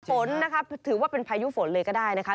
ฝนนะคะถือว่าเป็นพายุฝนเลยก็ได้นะคะ